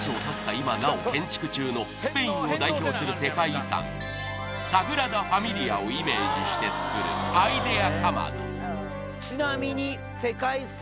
今なお建築中のスペインを代表する世界遺産サグラダ・ファミリアをイメージして作るアイデア